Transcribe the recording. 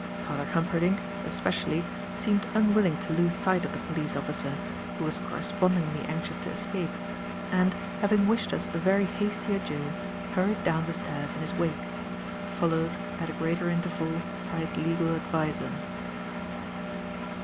Father Humperdinck, especially, seemed unwilling to lose sight of the police officer who was correspondingly anxious to escape and, having wished us a very hasty adieu, hurried down the stairs in his wake, followed, at a greater interval, by his legal adviser.